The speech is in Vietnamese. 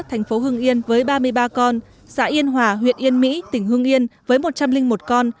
thành phố hưng yên với ba mươi ba con xã yên hòa huyện yên mỹ tỉnh hương yên với một trăm linh một con